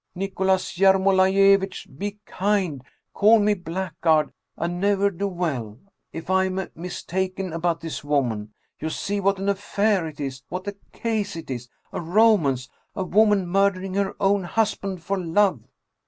" Nicholas Yermolaiyevitch ! Be kind ! Call me a black guard, a ne'er do weel, if I am mistaken about this woman. You see what an affair it is. What a case it is. A ro mance! A woman murdering her own husband for love!